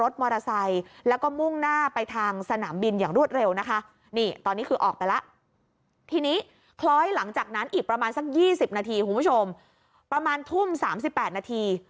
ที่๑๐นาทีคุณผู้ชมประมาณทุ่ม๓๘นาที